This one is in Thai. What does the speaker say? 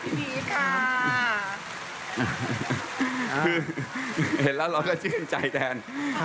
ดีค่ะคือเห็นแล้วเราก็ชื่นใจแทน